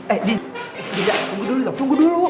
eh dina tunggu dulu dina tunggu dulu